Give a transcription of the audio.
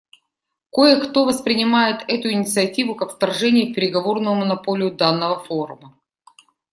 Кое-то вот воспринимает эту инициативу как вторжение в переговорную монополию данного форума.